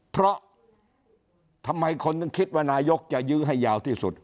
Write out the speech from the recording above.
เพราะทำไมคนถึงคิดว่านายกจะยื้อให้ยาวที่สุด